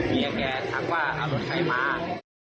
มีแกทักว่าอ่ะรถไข้มา